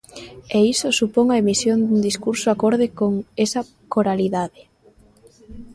E iso supón a emisión dun discurso acorde con esa coralidade.